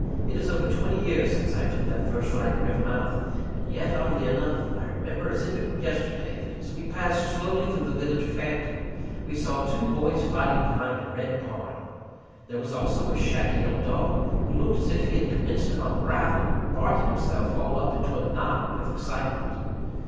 It is over twenty years since I took that first ride to Rivermouth, and yet, oddly enough, I remember as if it were yesterday, that, as we passed slowly through the village of Hampton, we saw two boys fighting behind a red barn. There was also a shaggy yellow dog, who looked as if he had commenced to unravel, barking himself all up into a knot with excitement.